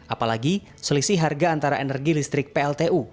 apalagi selisih harga antara energi listrik pltu